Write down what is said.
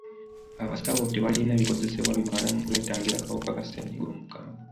Abasaawo tebalina bikozesebwa bimala mu kwetangira kawuka ka ssenyiga omukambwe.